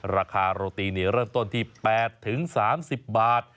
ราคาโรตีเริ่มต้นที่๘๓๐บาท